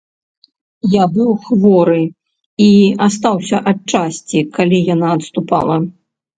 Я быў хворы і астаўся ад часці, калі яна адступала.